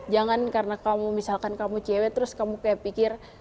jangan karena kamu misalkan kamu cewek terus kamu kayak pikir